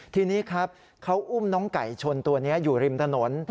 ทีนี้ครับเขาอุ้มน้องไก่ชนตัวนี้อยู่ริมถนน